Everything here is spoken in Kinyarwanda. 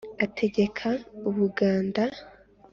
ategeka u buganda;